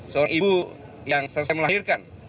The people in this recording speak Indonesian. seorang ibu yang selesai melahirkan